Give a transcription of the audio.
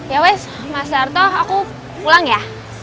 ya wes mas darto aku pulang ya